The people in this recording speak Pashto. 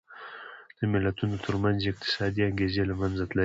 د ملتونو ترمنځ یې اقتصادي انګېزې له منځه تللې دي.